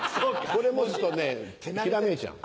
これ持つとねひらめいちゃうの。